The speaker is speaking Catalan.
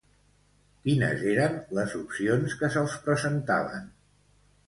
Quines eren les opcions que se'ls presentaven?